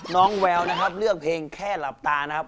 แววนะครับเลือกเพลงแค่หลับตานะครับ